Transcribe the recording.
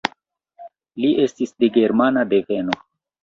Li estis de germana deveno.